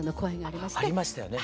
ありましたよね。